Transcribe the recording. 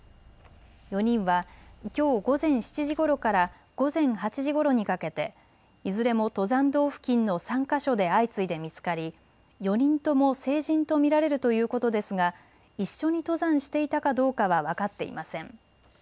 ４人はきょう午前７時ごろから午前８時ごろにかけていずれも登山道付近の３か所で相次いで見つかり４人とも成人と見られるということですが一緒に登山していたかどうかは分かっていません。